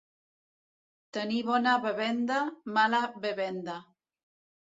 Tenir bona bevenda, mala bevenda.